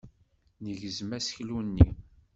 Negzem aseklu-nni.